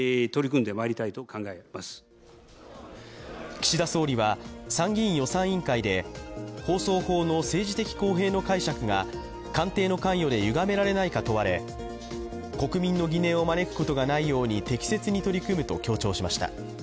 岸田総理は参議院予算委員会で放送法の政治的公平の解釈が官邸の関与でゆがめられないか問われ国民の疑念を招くことがないように適切に取り組むと強調しました。